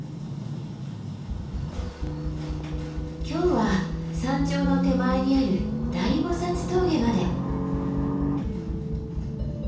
今日は山頂の手前にある大菩峠まで。